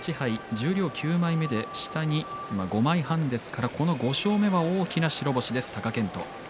十両９枚目で下に５枚半ですからこの５勝目は大きな白星です貴健斗。